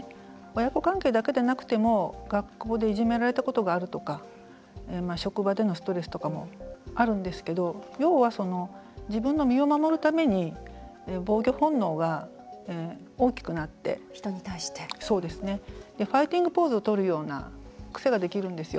親子関係だけでなくても学校でいじめられたことがあるとか職場でのストレスとかもあるんですけど要は自分の身を守るために防御本能が大きくなってファイティングポーズをとるような癖ができるんです。